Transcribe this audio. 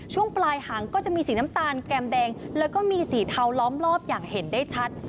ช่วงปลายหางก็จะมีสีน้ำตาลแก้มแดงแล้วก็มีสีเทาล้อมรอบอย่างเห็นได้ชัด